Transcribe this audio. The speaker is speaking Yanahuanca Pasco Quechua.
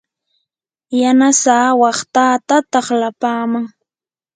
yanasaa waqtataa taqlapaman.